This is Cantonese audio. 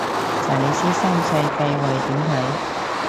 查理斯三世繼位點睇